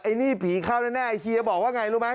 นี่ผีเข้าแน่ไอเฮียบอกว่าไงรู้ไหม